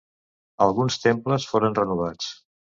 Alguns temples foren renovats.